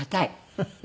フフフフ。